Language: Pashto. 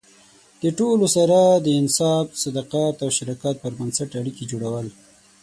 د ټولو سره د انصاف، صداقت او شراکت پر بنسټ اړیکې جوړول.